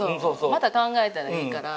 また考えたらいいから。